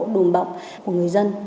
đùm bọng của người dân